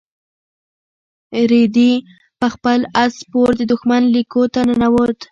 رېدي په خپل اس سپور د دښمن لیکو ته ورننوت.